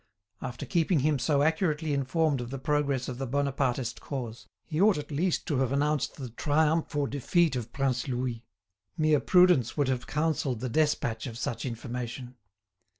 After keeping him so accurately informed of the progress of the Bonapartist cause, he ought at least to have announced the triumph or defeat of Prince Louis. Mere prudence would have counselled the despatch of such information.